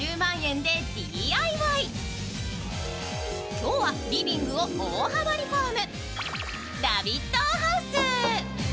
今日はリビングを大幅リフォーム。